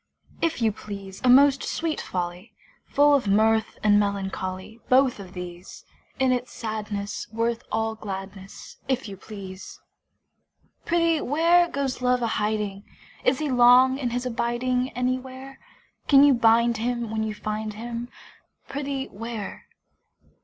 If you please, A most sweet folly! Full of mirth and melancholy: Both of these! In its sadness worth all gladness, If you please! Prithee where, Goes Love a hiding? Is he long in his abiding Anywhere? Can you bind him when you find him; Prithee, where?